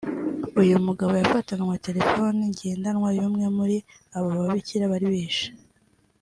uyu mugabo yafatanywe telefoni ngendanwa yumwe muri aba babikira bari bishwe